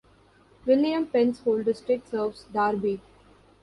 William Penn School District serves Darby.